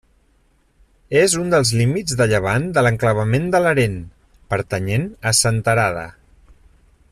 És un dels límits de llevant de l'enclavament de Larén, pertanyent a Senterada.